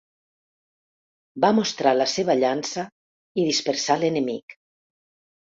Va mostrar la seva llança i dispersà l'enemic.